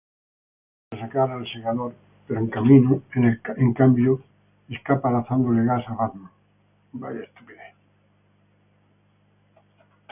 Batman irrumpe para sacar al Segador pero en cambio escapa lanzándole gas a Batman.